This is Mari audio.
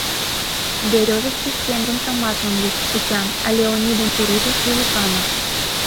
Березовский шкенжым тыматлын куча, а Леонидын чурийже шӱлыканак.